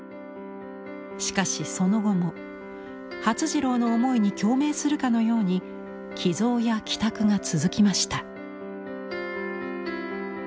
しかしその後も發次郎の思いに共鳴するかのように寄贈や寄託が続きました。